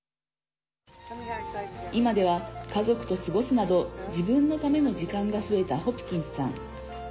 今では、家族と過ごすなど自分のための時間が増えたホプキンスさん。